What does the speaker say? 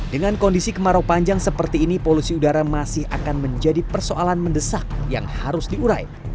dengan kondisi kemarau panjang seperti ini polusi udara masih akan menjadi persoalan mendesak yang harus diurai